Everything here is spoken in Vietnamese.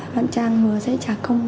bạn trang hứa sẽ trả công